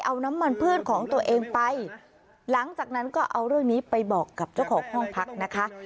เอาน้ำมันเพื่อนของตัวเองไปหลังจากนั้นก็เอาเรื่องนี้ไปบอกกับเจ้าของห้องพักนะคะ